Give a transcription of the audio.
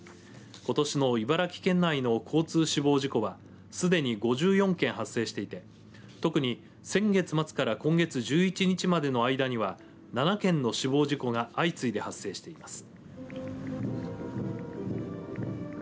ことしの茨城県内の交通死亡事故はすでに５４件、発生していて特に先月末から今月１１日までの間には７件の死亡事故が相次いで発生しています。